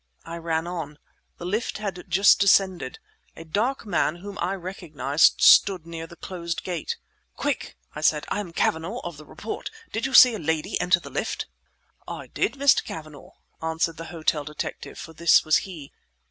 I ran on. The lift had just descended. A dark man whom I recognized stood near the closed gate. "Quick!" I said, "I am Cavanagh of the Report! Did you see a lady enter the lift?" "I did, Mr. Cavanagh," answered the hotel detective; for this was he.